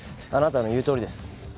あなたの言うとおりです。